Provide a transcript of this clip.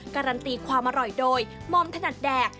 การันตีความอร่อยโดยมอมถนัดแดก